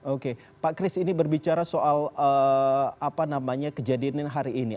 oke pak kris ini berbicara soal apa namanya kejadian hari ini